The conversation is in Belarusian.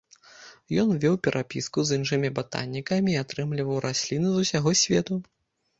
Ён вёў перапіску з іншымі батанікамі і атрымліваў расліны з усяго свету.